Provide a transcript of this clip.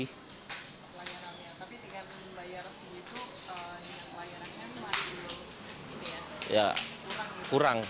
tapi tingkat bayar resi itu dengan pelayanannya masih kurang gitu ya